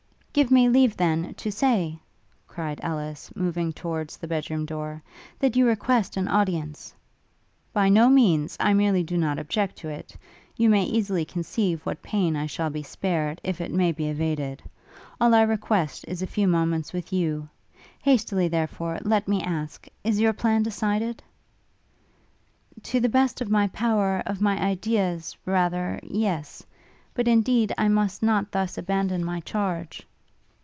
'Give me leave, then, to say,' cried Ellis, moving towards the bedroom door, 'that you request an audience.' 'By no means! I merely do not object to it. You may easily conceive what pain I shall be spared, if it may be evaded. All I request, is a few moments with you! Hastily, therefore, let me ask, is your plan decided?' 'To the best of my power, of my ideas, rather, yes. But, indeed, I must not thus abandon my charge!'